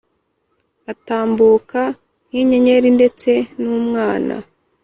Atambuka nkinyenyeri ndetse numwana